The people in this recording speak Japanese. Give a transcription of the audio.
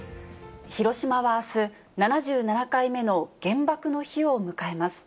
広島はあす、７７回目の原爆の日を迎えます。